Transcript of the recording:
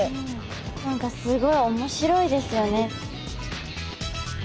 何かすごい面白いですよね。